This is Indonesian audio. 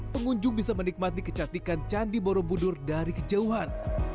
pengunjung bisa menikmati kecantikan candi borobudur dari kejauhan